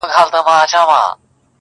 د دې کور مالک غلام حيدر خان نومېدی